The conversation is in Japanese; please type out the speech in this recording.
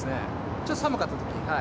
ちょっと寒かったとき。